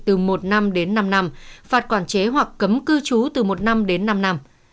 từ một năm đến năm năm phạt quản chế hoặc cấm cư trú từ một năm đến năm năm